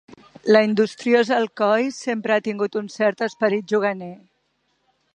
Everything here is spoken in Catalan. La industriosa Alcoi sempre ha tingut un cert esperit juganer.